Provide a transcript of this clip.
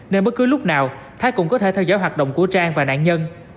nên bất cứ lúc nào thái cũng có thể theo dõi hoạt động của trang và nạn nhân